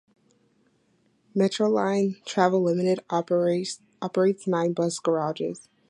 Metroline Travel Limited operates nine bus garages.